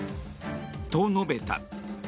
と、述べた。